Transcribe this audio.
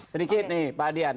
sedikit nih pak adian